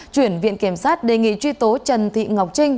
chuyển viện kiểm sát đề nghị truy tố trần thị ngọc trinh